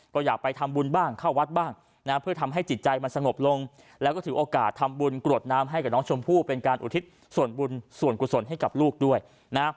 ก็อยากไปทำบุญบ้างเข้าวัดบ้างนะเพื่อทำให้จิตใจมันสงบลงแล้วก็ถือโอกาสทำบุญกรวดน้ำให้กับน้องชมพู่เป็นการอุทิศส่วนบุญส่วนกุศลให้กับลูกด้วยนะ